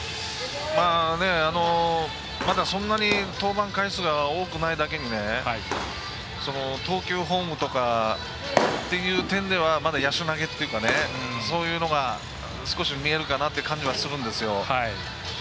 まだそんなに登板回数が多くないだけに投球フォームとかっていう点ではまだ野手投げというかそういうのが少し見えるかなっていう感じがするんですよね。